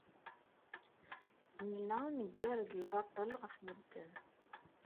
Nella neggar-d lbaṭel ɣef medden.